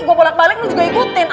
gue bolak balik juga ikutin